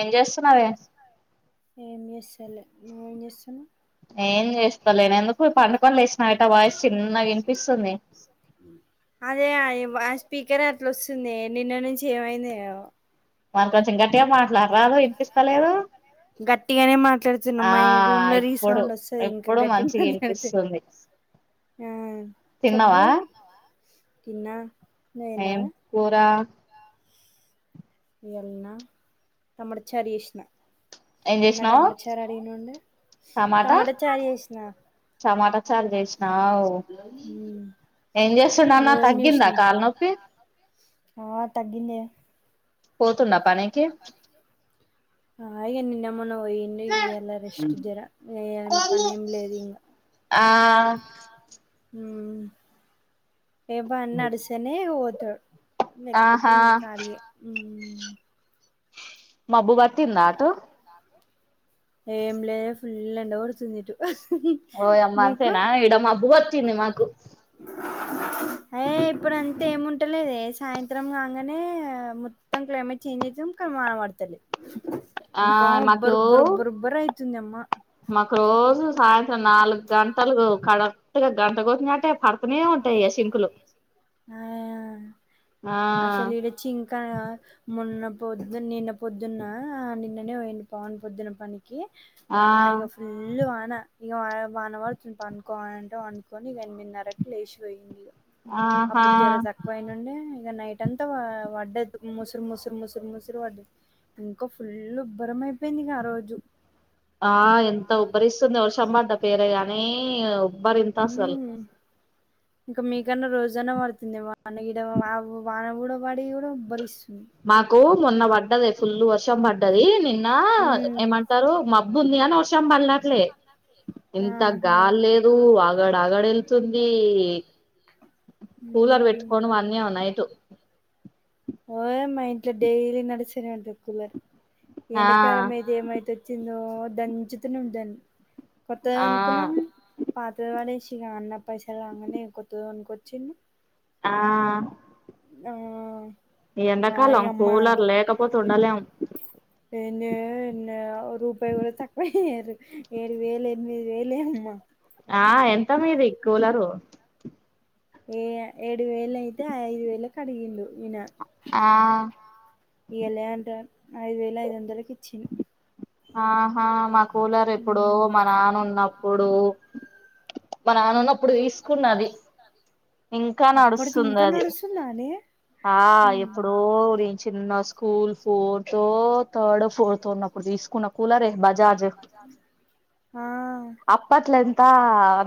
ఏం చేస్ ఏం చేస్తలే నువ్వు ఏం చేస్తున్నావు ఏం చేస్తలేను ఎందుకు పండుకొని లేసినాక వాయసు చిన్నగా వినిపిస్తుంది అదే ఆ స్పీకర్ అట్లోస్తుంది నిన్న నుంచి ఏమైందో ఏమో మన కొంచెం గ గట్టిగానే మాట్లాడుతున్నా ఆ మా రూమ్ లో ఇప్పుడు రీసౌండ్ వస్తు ఇంకా ఇప్పుడు గట్టిగా మంచిగా మాట్లాడితే వినిపిస్తుంది ఆ చెబ్బు తిన్నావా ఏం కూర నిన్న టమాటా చారు చేసిన ఏం అన్న చేసినావు టమాటా చారు అడిగినుండు టమాటా చారు చేసినా టమాటా చారు చేసినావు ఏం చేస్తుండు అన్న నువ్వేం తగ్గిందా చేసినవ్ కాళ నొప్పి ఆ తగ్గిందే పోతున్నా పనికి ఆ ఏం తిన్నావు మొన్న పోయిండి ఈయలా రెస్ట్ జర ఏం పని ఏం లేదు ఇంకా ఆ ఉ ఏబ అన్న అడుసనే పోతాడు లేకపోతే ఆహా ఇంక చాలే ఉ మబ్బు పట్టిందా అటు ఏమ్ల ఫుల్ ఎండ కొడుతుంది ఇటు ఓయమ్మ మీకు అంతేనా ఈడ మబ్బుగా వచ్చింది మాకు ఏయ్ ఇప్పుడు అంటే ఏముంటలేదే సాయంత్రం కాంగనే మొత్తం క్లైమేట్ చేంజ్ చేసాం కా వాన పడతలేదు ఆ ఇంకా మాకు ఒబ్బరుబ్బరుబ్బరబ్బరు అయితుంది అమ్మ మాకు రోజు సాయంత్రం నాలుగు గంటలకు కడ ఇగ గంట కొట్టినట్టే పడతనే ఉంటాయా సినుకులు ఆ అసలే ఈడ చింకా మొన్న పొద్దున్నీ నిన్న పొద్దున్న ఆ నిన్ననే పోయింది పవన్ పొద్దున పనికి కీ ఆ ఇక ఫుల్ వాన ఇక వ వన్ అవర్ తి పనుకో అనుకొ అంటే ఇక పనుకొని ఎనిమిదిన్నరకి లేచిపోయింది ఇగ ఆహా అప్పుడు జ్వర తక్కువయినుండుండే ఇక నైటంతా వ వడ్డదు ముసురు ముసురు ముసురు ముసురు వడ్డది ఇంకా ఫుల్ ఉబ్బరం అయిపోయింది ఆ రోజు బరిస్తుంది వర్షం బడ్డా పేరేగాని ఈ ఉబ్బరి ఇంత అసలు ఉమ్ ఇంకా మీకన్నా రోజనే పడుతుంది వాన వాన కూడ పడి కూడా ఉబ్బరిస్ అ [inaudible] మాకు మొన్న పడ్డది. ఫుల్ వర్షం పడ్డది నిన్న ఉమ్ ఏమంటారు మబ్బు ఉంది అని వర్షం వర్షం పడట్లే ఇంత ఆహా గాలి లేదు. ఆగడ అగడ వెళ్తుంది. కూలర్ పెట్టుకోం ఆ నైట్ ఓ మా ఇంట్లో డైలీ నడుస్తూనే ఉంటుంది కూలర్. ఆ ఎండకాలం అయితే ఏమైతే వచ్చిందో రోజూ దంచితూనే ఉంటాది. కొత్త ఆ కొనుక్కున్నాం పాత పడేసి ఇగా అన్న పైసలు రాంగానే కొత్తది కొనుక్కొచ్చిర్రు. ఆ ఆ ఈ ఎడాకాలం ఆయమ్మ కూలర్ లేకపోతే ఉండలేము. ఏంచేయాలో ఏమో లేదో రూపాయ కూడా తక్కువ చేయరు. ఏడు వేలు ఎనిమిది వేలే అమ్మా ఆ ఎంత మీది కూలరు. ఏ ఏడు వేలు అయితే ఐదు వేలు కడిగిండు ఈయన. ఆ ఇయ్యాల అంట ఐదు వేల ఐదు వందలకి ఇచ్చిర్రు.. ఆహా! మా కూలర్ ఎప్పుడో మా నాన్న ఉన్నప్పుడు ఇప్పుడు మానాన్న ఉన్నప్పుడు తీసుకున్నా అది. ఇంకా అప్పటిది నడుస్తుంది ఇంకా అది. నడుస్తుందానే ఆ ఎప్పుడో రి చిన్న స్కూల్ ఫోర్తో, థర్డో, ఫోర్తో ఉన్నప్పుడు తీసుకున్న కూలర్ ఏమికాదు. ఆ అప్పట్లో ఎంత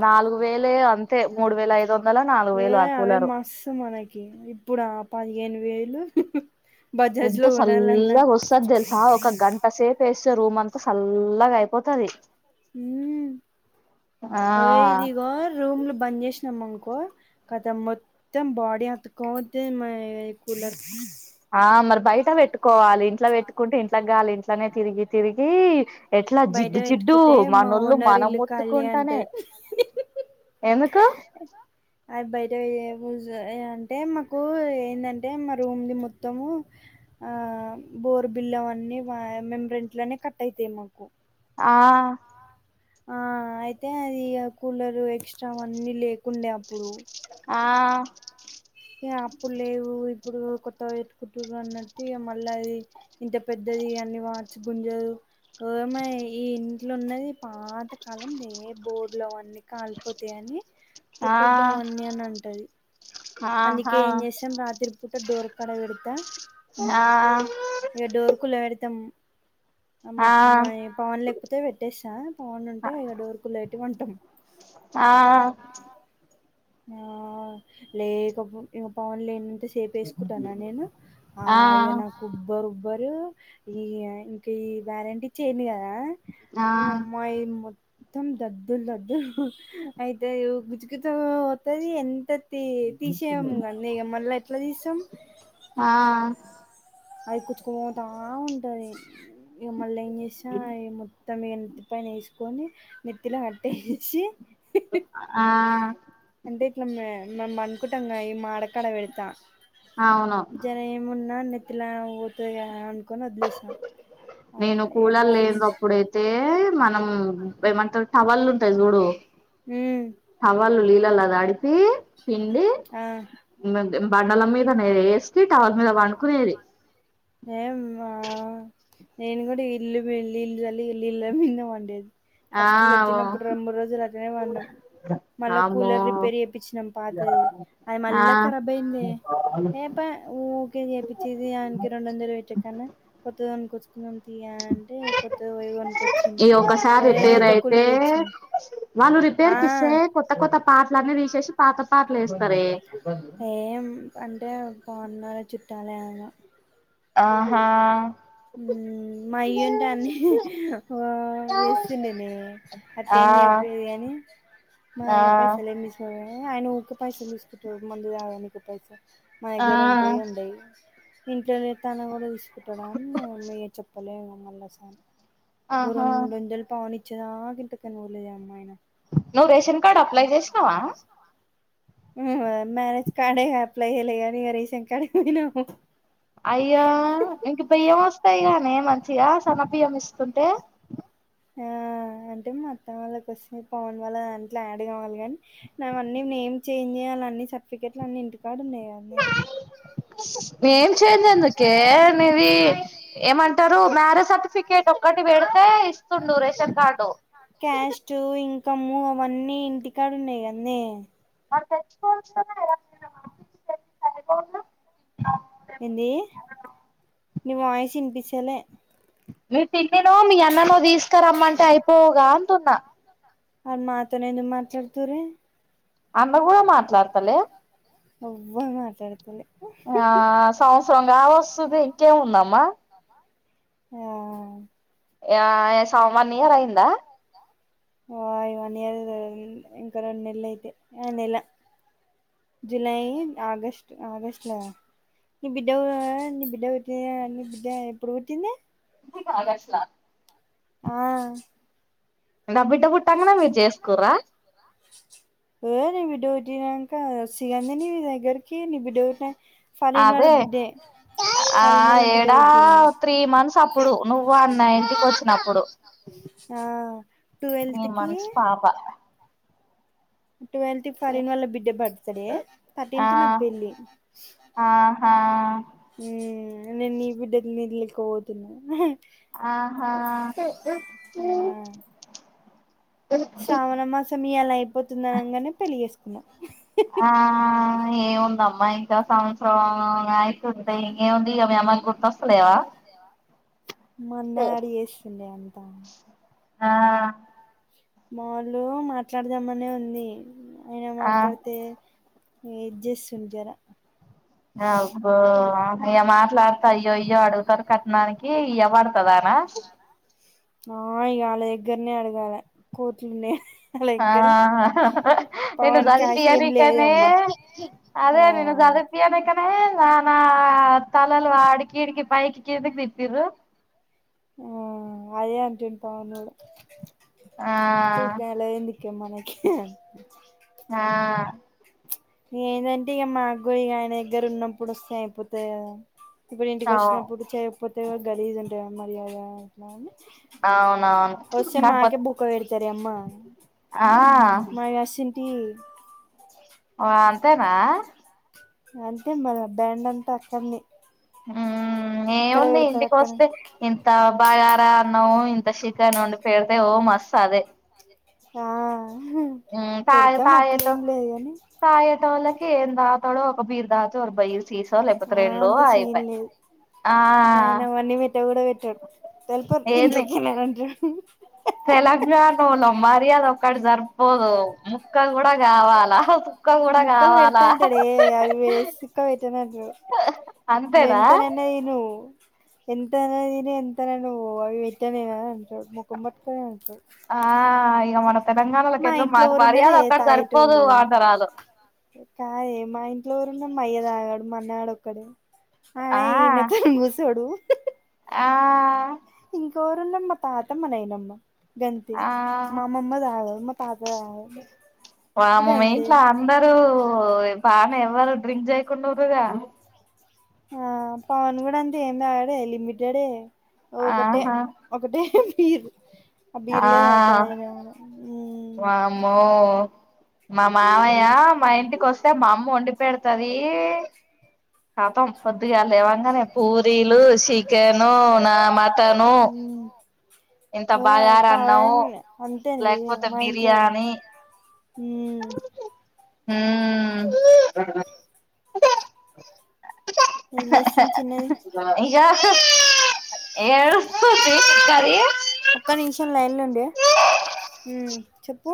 నాలుగు వేలే అంతే. మూడు వేల ఐదు వందలో నాలుగు ఏ వేలో ఆ అవే కూలరు. మస్తు మనకి ఇప్పుడు పదిహేను వేలు. బజాజ్ ఎంత లో కొనాలన్నా సల్లగా వస్తాదో తెలుసా ఒక గంట సేపు వేసి రూమ్ అంతా సల్లగా అయిపోతాది. మ్ ఇదిగో రూమ్లు బంద్ చేసి మొత్తం అనుకో కతం బాడీ అతుక్కుపోతే మరి కూలర్ ఆ మరి బయట పెట్టుకోవాలి. ఇంట్లో పెట్టుకుంటే ఇంట్లో గాలి ఇంట్లోనే తిరిగి తిరిగి ఎట్లా బయట జిడ్డు జిడ్డు పెట్టుకుంటే మా మనవొళ్ళు ఓనర్ మనం ఇల్లు ఖాళీ ముట్తుకుంటానే. ఎందుకు కదా అవి బయట యూజు అంటే మాకు ఏందంటే మా రూమ్ ది మొత్తము ఆ బోర్ బిల్ అన్నీ మా మేము రెంట్లోనే కట్ అయితాయి మాకు. ఆ ఆ అయితే అది కూలరు, ఎక్స్ట్రావన్నీ లేకుండే అప్పుడు. ఆ ఏ అప్పులేవు ఇప్పుడు కొత్త పెట్టుకుంటారు అన్నట్టు మళ్ళా అది ఇంత పెద్దది అన్ని మార్చి గుంజదు ఒమ్మాయి ఈ ఇంట్లో ఉన్నది పాత కాలం లే బోర్లు అవన్నీ కాలిపోతాయి అని ఆ పెట్టొద్దాము అన్నీ అని అంటది. అందుకే ఆహా ఏం చేసాం రాత్రి పూట డోర్ కాడ పెడతా ఆ తం [inaudible] ఆ ఆ మొత్తం పవర్ లేకపోతే పెట్టసా పవర్ ఉంటే ఇక డోర్పెట్టేసి పంటాం ఆ ఆ లేప బుద్ధి ఇక ఇక పవర్ లే సేప వేసుకుంటాను నేను ఆ అయ్యా నాకుబ్బరు ఎవరు ఈ ఇంకా ఈ వ్యారెంటీచ్చయి కదా ఈ అమ్మాయిొ తమ్ దద్దులు దద్దు అయితే గుజగుజ తది ఎంత తీసేము కనీ ఇక మళ్ళ ఎట్లా తీస్తాం ఆ అది కూర్చుకోతా ఉంటది ఇక మళ్ళ ఏం చేసినా మొత్తం పైన వేసుకొని నెత్తిలో అట్ట వేసి ఆ ఇట్ల మె అనుకుంటాంంగా ఈ మాడకాడ వెడతా అవును జనం ఏమున్నా ఇలా పోతే కదా అని నేను కూలలు పవన్ లేనప్పుడైతే మనం ఏమంట టవల్లుు ఉంటాయి చూడు ఉమ్ టవాల్ నీళల తడిపి పి ఆ పిడి బండల మీద నే వేసి టవల్ మీద పడుకునేది ఏవ్వ నేను కూడ ఇల్లు మ ఇల్లు చల్లి ఇల్లు ఇల్లు మిద వండేది ఆ ఫస్ట్లుచ్చినప్పుడు రెండ్ మూడు రోజులు అట్లనే వాడినాం మళ్ళా అమ్మో కూలర్ రిపేర్ చేపిచ్చినాం పాతి అది ఆ మల్ల ఖరాబ్యిందే ఏప్ప ఓకే చేపినికి ర ందల పెట్ట కన్నా కొత్తది కొనుచ్చుకుందాం యా అంటే కొత్తది పోయి కొనుకొచ్చింది ఈ ఒకసారి పెద్దు కులరు తెచ్చింది రిపేర్కి ఇస్తే కొత్త కొత్త పాటల అన్న వీసేసి పాత పాటలు వేస్తారే ఏం అంటే పోండాల చుట్టాలె గ ఆహా ఆహు మా అయ్యంటే అన్నీ వేస్తుండే న అట్లే ఆ ఏం చెపీడు కాని ఆ మాయ పైసలు ఏమిసుకో ఆయన ఊక్క పైసలు తీసుకుంట ముందు కావడానికి పైస మా ఆ దగ్గర ఉంటే ఉండేయి ఇంట్లోనే తాన కూడ తీసుకుంటా ఏచప్పలే మల్ళ స ఆహా రెండలు పవని చిరాక గంటకనిూర్లేదు అమ్మాయన నువ్ రేషన్ కార్డ్ అప్లై చేసినావ మ్యారేజ్ కార్డే ఇగ ఆప్లై చేయల గాని రేషన్ కార్ట్ పోయినా వ్ అయ్యో ఇంక బియ్యం వస్తాయి నే మంచి మంచిగ సన్నబియ్యం ఇస్తుంటే ఆ అంటే మా అత్త వాళ్ళక్ వస్తుంది యాడ్ కావాలి కానీ నావన్నీ నేమ్ చేంజ్ న్నీ సర్టిఫికెట్లు అన్నిీ ఇంటికాడున్నాయి అవన్ని ఏం చేంజ్ ఎందుకే నీది ఏమంటారు మ్యారేజ్ సర్టిఫికేట్ ఒక్కటి పెడితే తె ఇస్తుండు రేషన్ కార్లు అమ్మో అవన్నీ ఇంటికాడున్నాయి కందె మరి తెచ్చుకోవచ్చు కదా ఏంది నిీ వాయిస్ వినిపిచ్చతె మీ పిన్నినో మీ అన్ననో తీసుకరమ్మంటే అయిపోవుగా అంటున్నా అది మాతోనే ఎందుకు మాట్లాడు తురి అన్న కూడ మాట్లాడతలే ఎవ్వర్ మాట్లాడతలే ఆ సంవత్సరం కావ వస్తది ఇంకేముందమ్మా ఆ ఆ సమ్ వన్ ఇయర్ అయిందా ఆ వన్ ఇయర్ ఇంకా రెంనెల్ల అయితే అంద ఇలా జులై ఆగస్ట్ ఆగస్ట్లో నీ బిడ్డ నీ బిడ్డ పుట్టింది నీ బిడ్డ ఎప్పుడు పుట్టింది కాదష్లా మీరు చేసుకుర్రా లేదు విడ బక సిగంది నీ దగ్గరకి నీ బిడ్డ పుట్టినంక ఫరన్ వాళ్ళ అదే బిడ్డే ఫరీన్ ఆ వాళ్ళ బిడ్డ ఏడా పుట్టింది త్రీ మంత్స్ అప్పుడు నువ్వు అన్న ఇంటికి వచ్చినప్పుడు ఆ త్రీ ట్వెల్త్ కి మంత్స్ పాప ట్వెల్త్ ఫరిన్ వాళ్ళ బిడ్డ బర్త్ డే ఆ థర్టీన్త్ నా పెళ్ళి ఆహా ఊ నేను నీ బిడ్డ నిల్లికి పోతున్నా ఆహా ఆ శ్రావణ మాసం ఇయాలా అయిపోతుంది అనగానే పెళ్లి చేేసుకున్నాం ఆ ఏముందమ్మా సంవత్సరం అయితుంటే ఇంకేముంది ఇక మీ అమ్మాయికి గుర్తొస్తలేవా మన్న అడి చేేస్తుంది అంత ఆ మావులు మాట్లాడదామనే ఉంది అయిన ఆ మాట్లాడితే ఏజెస్తుంది జర అబ్బో అయ మాట్లాడతా అయ్యో అయ్యో అడుగుతారు కట్నానికి ఇయ పడుత తదానా ఓ ఇగా వాళ్ళ దగ్గరనే అడగాలి కోట్లుం ఆ నిను పవన్ క్యాష్ ఏం చదిపినికనే లేదమ్మా ఆ అదే చద పనే నానా తలలు అడ్కి ఇడ్కి పైకి కిందకి తిప్పిర్రు ఆ అదే అంతుండు పవున్నోడు ఆ క మనకి ఆ ఏదంటే ఇక మనగూడ ఇక ఆయన దగ్గర ఉన్నప్పుడు వస్తే అయిపోతాయి కదా ఇప్పుడు ఇంటికి అవు వచ్చినప్పుడు చేయకపోతే గలీజు ఉంటా మర్యాద అట్లా అవునవును వస్తే మాకే కాకపోతే బుక్క పెడతార అమ్మా ఆ తీ ఆ అంతేనా అంతే మన బ్యాండ్ అంతా అక్కడని ఉ ఏముంది పెడతారు ఇంటికి అక్కడనే వస్తే ఇంత బాగారా అన్నము ఇంత షీకను వొండి పెడితే ఓ మస్ అదే ఆహ తయ తయాత్తు లేదు కానీ తయతూ వాళ్ళకి ఏం దాతాడో ఒక బీర్ దాత ఒక బయర్ చీసా లేకపోతే రెండో అయిపోయ నయనావన్నీ మెట్ట కూడా పెట్టడు తెలిపారు ఇంట్లకేనాంటా తెలంగాణళ్లం మర్యాద ఒక్కటి జరిపోదు ముక్క కూడా కావాలా కూడా ముక్కలు కావాలా పెడతాంటడే అవి వేస్కో పెట్టనంటారు అంతేనా నేంతనన్న దిను ఎంతన దిను ఎంతన నువ్వు అవి వెట్టనేనా అంటాడు ముఖం పట్టుకునే ఉంట ఆ ఇగ మనం మా ఇంట్లో ఎవరున్నరే సరిపోదు తాగేటోళ్ళు అంటారు ఆళ్ళు కాదే మా ఇంట్లో ఎవరున్నరు మయ్య తాగాడు మన్నే ఆడు కడు ఆ అరే ఈడ్నే బూసోడు ఆ ఇంకే ఎరున్నరు మా తాత మా నయినమ్మ గంతే ఆ మా అమ్మమ్మ తాగ మ తాత తాగడు వామ్మో మీ గంతే ఇంట్లో అందరూ త ఎవరు డ్రింక్ జేయకుండురుగ ఆ పవన్ కూడా అంతే ఏమి తాగాడే లిమిటెడే ఒకటే ఆహా ఒకటే బీరు అ ఆ బీర్లే తాగుతాడు అయినగాని మ్ వామ్మో మా మావయ్య మా ఇంటికి వస్తే మా అమ్మ వండి పెడతాది కతం పొద్దిగా లేవంగనే పూరీలు చి కెను నా మటనూ మ్మ్ ఇంత అదే బగార అన్నవ్ పవన్ అంతేనండి లేకపోతే మా ఇంట్లో కూడా బిర్యాణి మ్మ్ హ్మ్ ఏం చేస్తుంది చిన్నది ఇగ ఏడుస్తుంది చిన్నది. ఏ మ్ చెప్పు